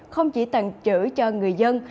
không chỉ tặng chữ cho người dân